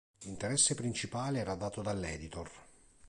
L'interesse principale era dato dall'editor.